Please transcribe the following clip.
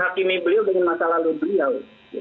hakimi beliau dengan masa lalu beliau